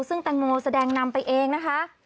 ซึ่งแตงโมแสดงนำไปเองนะคะ